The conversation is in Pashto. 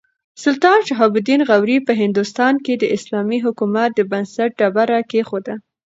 سلطان شهاب الدین غوري په هندوستان کې د اسلامي حکومت د بنسټ ډبره کېښوده.